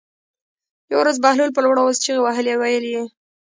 یوه ورځ بهلول په لوړ آواز چغې وهلې او ویلې یې.